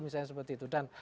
misalnya seperti itu